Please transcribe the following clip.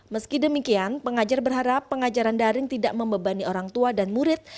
meski demikian pengajar berharap pengajaran daring tidak membebani orang tua dan murid